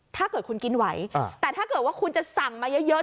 ถ้าเกิดคุณกินไหวแต่ถ้าเกิดว่าคุณจะสั่งมาเยอะ